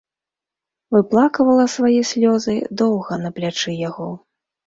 Выплаквала свае слёзы доўга на плячы яго.